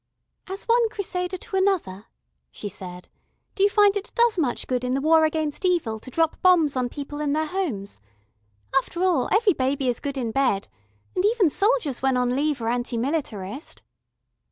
"As one Crusader to another," she said, "do you find it does much good in the war against Evil to drop bombs on people in their homes? After all, every baby is good in bed, and even soldiers when on leave are anti militarist."